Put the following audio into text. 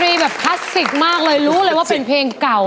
แบบคลาสสิกมากเลยรู้เลยว่าเป็นเพลงเก่า